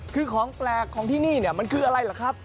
คือของแปลกของที่นี่มันคืออะไรหรือครับ